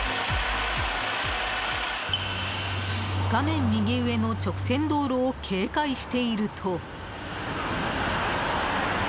画面右上の直線道路を警戒していると。